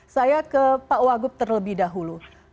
saya ke pak wagub terlebih dahulu